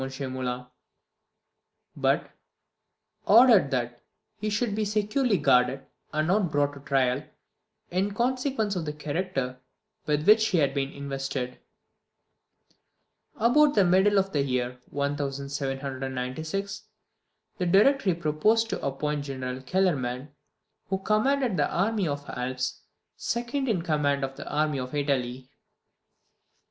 Moulin; but ordered that he should be securely guarded, and not brought to trial, in consequence of the character with which he had been invested. About the middle of the year 1796 the Directory proposed to appoint General Kellerman, who commanded the army of the Alps, second in command of the army of Italy.